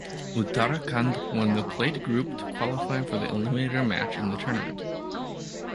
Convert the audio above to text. Uttarakhand won the Plate Group to qualify for the Eliminator match in the tournament.